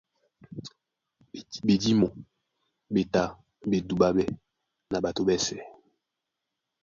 Ɓedímo ɓé tá ɓé dúɓáɓɛ́ na ɓato ɓɛ́sɛ̄.